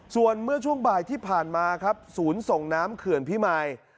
ส่วนเมื่อช่วงบ่ายที่ผ่านมาครับศูนย์ส่งน้ำเขื่อนพิมาย